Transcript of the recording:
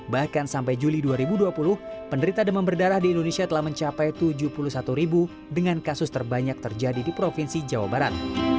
bahkan sampai juli dua ribu dua puluh penderita demam berdarah di indonesia telah mencapai tujuh puluh satu ribu dengan kasus terbanyak terjadi di provinsi jawa barat